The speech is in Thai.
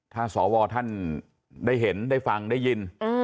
ถ้าสวท่านได้เห็นได้ฟังได้ยิน